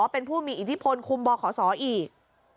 เป็นผู้มีอิทธิพลคุมบขศอีก